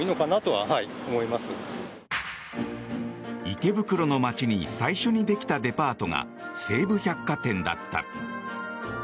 池袋の街に最初にできたデパートが西武百貨店だった。